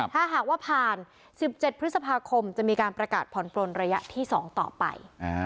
ถ้าหากว่าผ่าน๑๗พฤษภาคมจะมีการประกาศผ่อนปลนระยะที่๒ต่อไป